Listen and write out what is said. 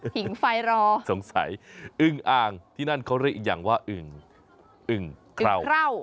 หิ่งไฟรอสงสัยอึงอ่างที่นั่นเขาเรียกอย่างว่าอึงอึงคร่าว